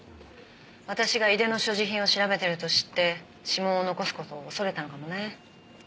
私が井出の所持品を調べてると知って指紋を残す事を恐れたのかもね。